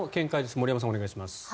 森山さん、お願いします。